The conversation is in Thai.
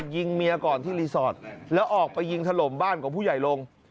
ยิงเมียก่อนที่รีสอร์ทแล้วออกไปยิงถล่มบ้านของผู้ใหญ่ลง